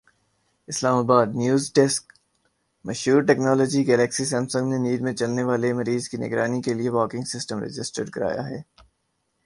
اسلام آبادنیو news desk مشہور technology Galaxy Samsung نے نیند میں چلنے والے مریض کی نگرانی کیلئے والکنگ سسٹم رجسٹرڈ کرایا ہے